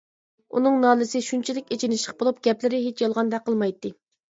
ئۇنىڭ نالىسى شۇنچىلىك ئېچىنىشلىق بولۇپ، گەپلىرى ھېچ يالغاندەك قىلمايتتى.